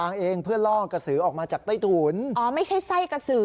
อันนี้เลยหรอคะ